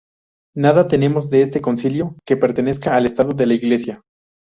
Nada tenemos de este concilio que pertenezca al estado de la Iglesia.